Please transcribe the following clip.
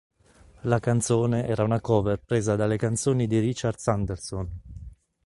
La canzone era una cover presa dalle canzoni di Richard Sanderson.